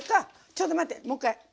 ちょっと待ってもう一回。